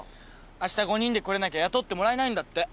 あした５人で来れなきゃ雇ってもらえないんだって。